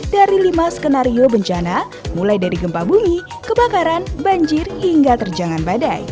dari lima skenario bencana mulai dari gempa bumi kebakaran banjir hingga terjangan badai